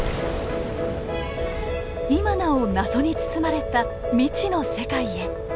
今なお謎に包まれた未知の世界へ。